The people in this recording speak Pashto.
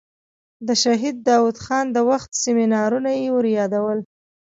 د شهید داود خان د وخت سیمینارونه یې وریادول.